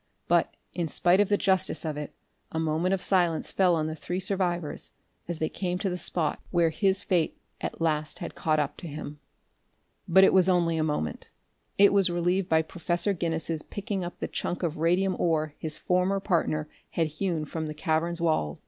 But, in spite of the justice of it, a moment of silence fell on the three survivors as they came to the spot where his fate at last had caught up to him. But it was only a moment. It was relieved by Professor Guinness's picking up the chunk of radium ore his former partner had hewn from the cavern's wall.